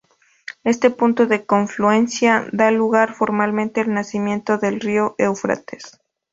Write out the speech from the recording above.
Ese punto de confluencia da lugar formalmente al nacimiento del río Éufrates.